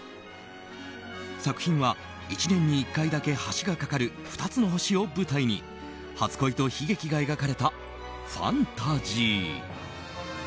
作品は１年に１回だけ橋が架かる２つの星を舞台に初恋と悲劇が描かれたファンタジー。